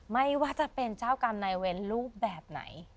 ไม่ว่าจะเป็นเจ้ากรรมนายเวรรูปแบบไหน